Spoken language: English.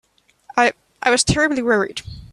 I—I was terribly worried.